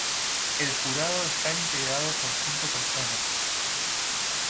El jurado estaba integrado por cinco personas.